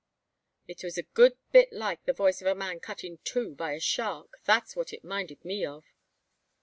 "It was a good bit like the voice of a man cut in two by a shark. That's what it minded me of."